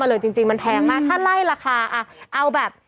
มาเลยจริงมันแพงมากถ้าไล่ราคาเอาแบบ